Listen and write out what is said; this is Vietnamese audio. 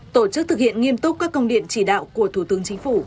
tổ chức thực hiện nghiêm túc các công điện chỉ đạo của thủ tướng chính phủ